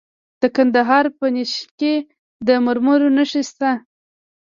د کندهار په نیش کې د مرمرو نښې شته.